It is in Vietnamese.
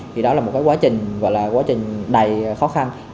thì đó là một cái quá trình gọi là quá trình đầy khó khăn